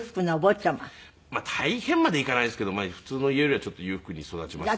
大変まではいかないですけど普通の家よりはちょっと裕福に育ちましたね。